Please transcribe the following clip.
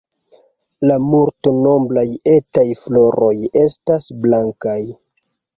La multnombraj etaj floroj estas blankaj.